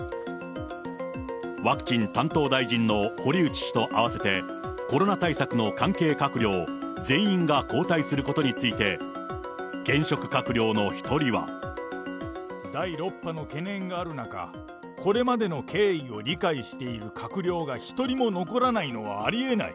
ワクチン担当大臣の堀内氏と合わせて、コロナ対策の関係閣僚全員が交代することについて、第６波の懸念がある中、これまでの経緯を理解している閣僚が一人も残らないのはありえない。